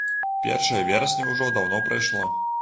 Першае верасня ўжо даўно прайшло.